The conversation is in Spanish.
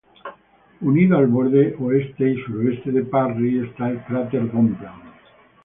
Unido al borde oeste y suroeste de Parry está el cráter Bonpland.